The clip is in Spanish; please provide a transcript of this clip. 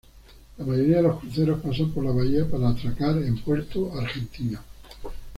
La mayoría de los cruceros pasan por la bahía para atracar en Puerto Argentino.